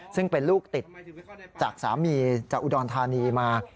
ซึ่งเป็นลูกติดจากสามีจากอุดรธานีมา